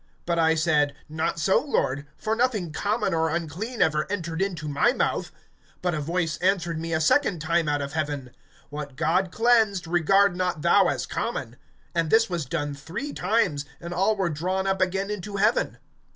(8)But I said: Not so, Lord; for nothing common or unclean ever entered into my mouth. (9)But a voice answered me a second time out of heaven: What God cleansed, regard not thou as common. (10)And this was done three times; and all were drawn up again into heaven.